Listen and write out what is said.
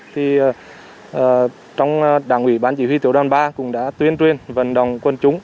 thì trong đảng ủy bán chỉ huy tiểu đoàn ba cũng đã tuyên truyền vận đồng quân chúng